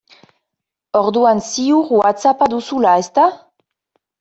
Orduan ziur Whatsapp-a duzula, ezta?